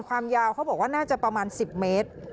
ความยาวเขาบอกว่าน่าจะประมาณ๑๐เมตร